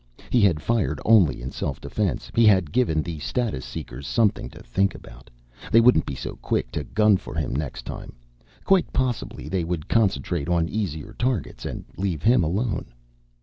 He had fired only in self defense. He had given the status seekers something to think about; they wouldn't be so quick to gun for him next time. Quite possibly they would concentrate on easier targets and leave him alone.